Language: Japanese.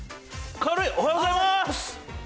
軽い、おはようございます。